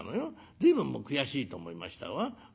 随分悔しいと思いましたわ。